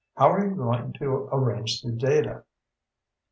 How are you going to arrange the data?"